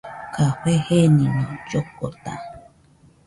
Café jenino llokota